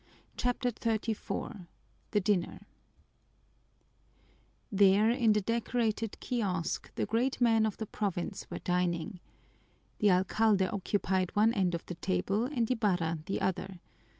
CHAPTER XXXIV The Dinner There in the decorated kiosk the great men of the province were dining. The alcalde occupied one end of the table and Ibarra the other.